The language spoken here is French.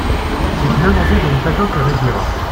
C’est une avancée dont chacun se réjouira.